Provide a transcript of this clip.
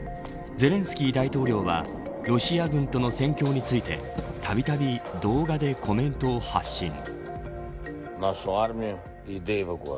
ゼレンスキー大統領はロシア軍との戦況についてたびたび動画でコメントを発信。